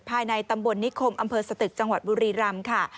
ภายในตำบลนิคมอำเภอสตึกจังหวัดบุรีรำค่ะ